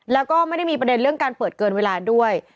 แล้วก็ไม่ได้มีประเด็นเรื่องการเปิดเกินเวลาด้วย